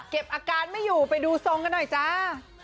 อาการไม่อยู่ไปดูทรงกันหน่อยจ้า